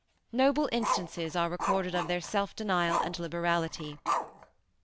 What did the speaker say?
Noble instances are recorded of their self denial and liberality.